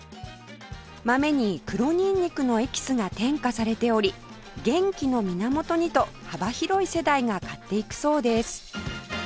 豆に黒ニンニクのエキスが添加されており元気の源にと幅広い世代が買っていくそうです